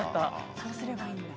そうすればいいんだ。